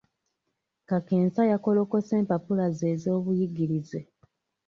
Kakensa yakolokose empapula ze ez'obuyigirize.